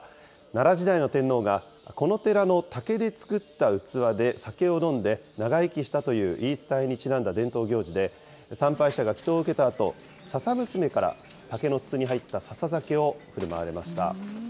奈良時代の天皇が、この寺の竹で作った器で酒を飲んで、長生きしたという言い伝えにちなんだ伝統行事で、参拝者が祈とうを受けたあと、笹娘から竹の筒に入った笹酒を振る舞われました。